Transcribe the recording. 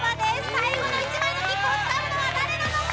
最後の１枚の切符をつかむのは誰なのか！